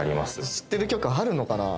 知ってる曲あるのかな？